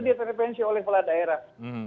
diintervensi oleh kepala daerah